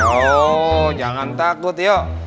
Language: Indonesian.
oh jangan takut yuk